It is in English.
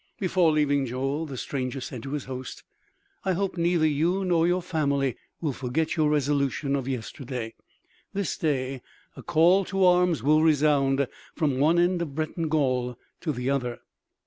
Before leaving Joel, the stranger said to his host: "I hope neither you nor your family will forget your resolution of yesterday. This day a call to arms will resound from one end of Breton Gaul to the other."